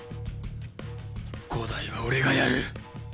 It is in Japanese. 伍代は俺がやる。